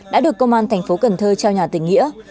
đã được công an thành phố cần thơ trao nhà tỉnh nghĩa